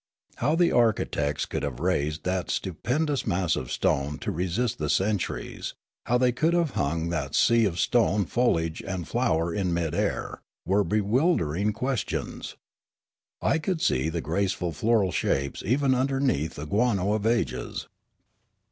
How the architects could have raised that stupendous mass of stone to resist the centuries, how they could have hung that sea of stone foliage and flower in mid air, were bewildering ques tions. I could see the graceful floral shapes even underneath the guano of ages.